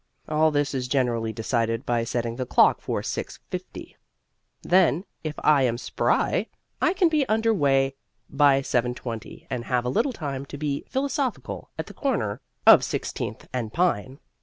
All this is generally decided by setting the clock for 6:50. Then, if I am spry, I can be under way by 7:20 and have a little time to be philosophical at the corner of Sixteenth and Pine.